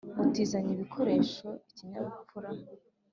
-gutizanya ibikoresho; -ikinyabupfura;